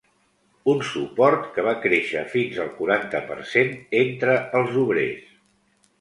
Un suport que va créixer fins al quaranta per cent entre els obrers.